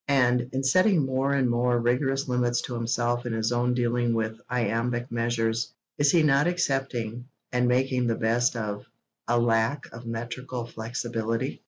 and, in setting more and more rigorous limits to himself in his own dealing with iambic measures, is he not accepting, and making the best of, a lack of metrical flexibility?